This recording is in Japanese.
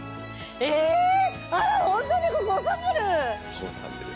そうなんです。